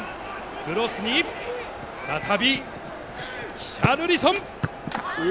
クロスに再びヒシャルリソン！